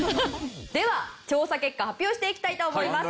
では調査結果発表していきたいと思います。